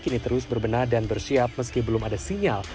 kini terus berbenah dan bersiap meski belum ada sinyal